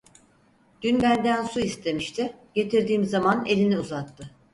Dün benden su istemişti, getirdiğim zaman elini uzattı…